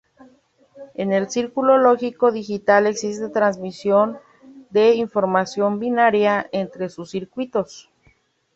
En el circuito lógico digital existe transmisión de información binaria entre sus circuitos.